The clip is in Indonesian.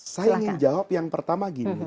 saya ingin jawab yang pertama gini